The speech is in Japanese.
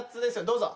どうぞ。